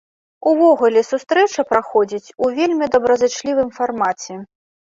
Увогуле, сустрэча праходзіць у вельмі добразычлівым фармаце.